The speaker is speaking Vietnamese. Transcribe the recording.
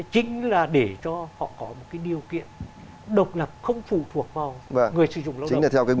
chính là để cho họ có một cái điều kiện độc lập không phụ thuộc vào người sử dụng lao động